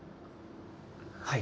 はい。